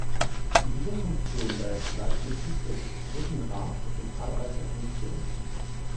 In dieser Funktion war er zugleich Mitglied des Grossen Rats und zahlreicher Kommissionen.